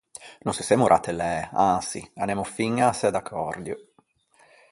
No se semmo rattellæ, ançi, anemmo fiña assæ d’accòrdio.